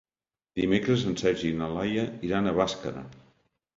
Dimecres en Sergi i na Laia iran a Bàscara.